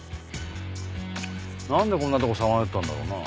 なんでこんなとこさまよったんだろうな？